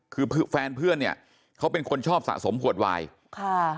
คือแฟนเพื่อนเนี่ยเขาเป็นคนชอบสะสมขวดวายค่ะ